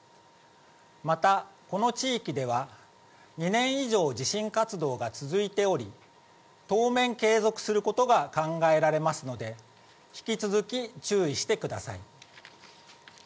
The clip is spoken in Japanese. また、この地域では、２年以上地震活動が続いており、当面、継続することが考えられますので、引き続き注意してください。